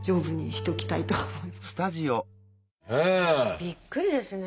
びっくりですね。